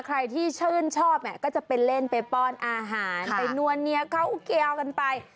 ใครที่ชื่นชอบเนี่ยก็จะไปเล่นไปป้อนอาหารไปนวลเนียเขาเกียวกันไป